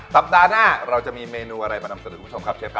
สัปดาห์หน้าเราจะมีเมนูอะไรมานำสร้อยด้วยทุกผู้ชมครับเชฟ